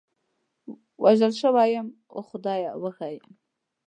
وژل شوی یم، اوه خدایه، وږی یم.